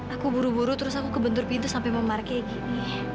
aku buru buru terus aku ke bentur pintu sampai memarke gini